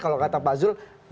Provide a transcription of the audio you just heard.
kalau kata pak zulkifil hasan